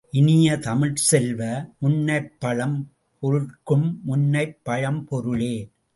இனிய தமிழ்ச் செல்வ, முன்னைப் பழம் பொருட்கும் முன்னைப் பழம்பொருளே!